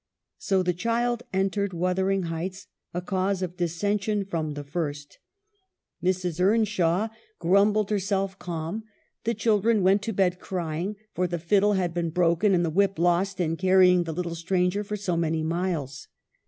So the child entered ' Wuthering Heights,' a cause of dissension from the first. Mrs. Earn 1 WUTHERING HEIGHTS: 235 shaw grumbled herself calm ; the children went to bed crying, for the fiddle had been broken and the whip lost in carrying the little stranger for so many miles.